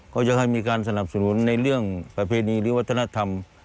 ก็จะให้มีการสนับสนุนในเรื่องประเพณีหรือวัฒนธรรม